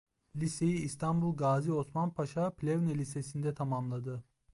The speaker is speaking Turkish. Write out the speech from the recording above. Liseyi İstanbul Gazi Osman Paşa Plevne Lisesi'nde tamamladı.